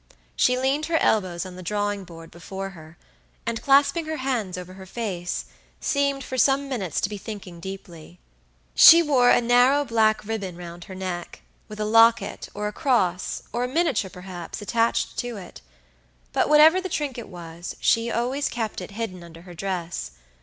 She leaned her elbows on the drawing board before her, and clasping her hands over her face, seemed for some minutes to be thinking deeply. She wore a narrow black ribbon round her neck, with a locket, or a cross, or a miniature, perhaps, attached to it; but whatever the trinket was, she always kept it hidden under her dress.